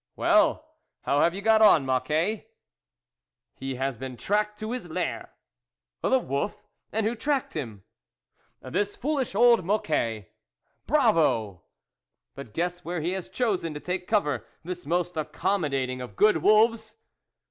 "Well, how have you got on, Moc quet?" " He has been tracked to his lair." " The wolf ? and who tracked him ?"" This foolish old Mocquet." " Bravo !"" But guess where he has chosen to take covert, this most accommodating of good wolves